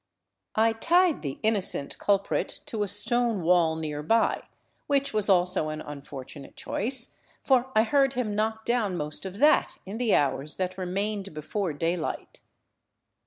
I tied the innocent culprit to a stone wall nearby, which was also an unfortunate choice, for I heard him knock down most of that in the hours that remained before daylight.